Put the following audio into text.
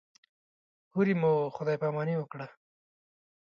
هورې مو خدای پاماني وکړه.